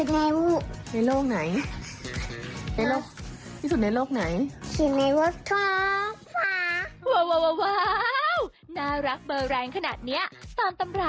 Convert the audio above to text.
มั๊วจ๋ามั๊วมั๊วไม่ไปสูตร